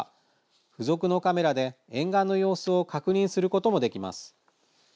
付属のカメラで沿岸の様子を確認することもできます。